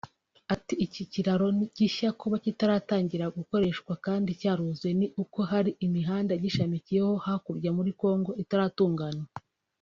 Ati ”Iki kiraro gishya kuba kitaratangira gukoreshwa kandi cyaruzuye ni uko hari imihanda igishamikiyeho hakurya muri congo itaratunganywa